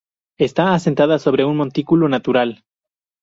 Está asentada sobre un montículo natural.